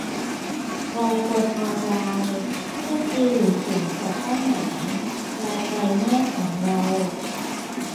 เราควรออนไลน์เพื่อตีหรือสูงกว่าเป้าหมายรายไตรมาสของเรา